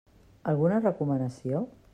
Alguna recomanació?